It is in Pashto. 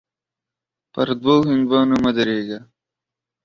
پر دوو هندوانو مه درېږه.